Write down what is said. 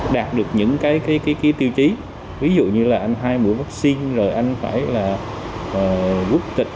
đạt được những cái tiêu chí ví dụ như là anh hai mũi vắc xin rồi anh phải là rút tịch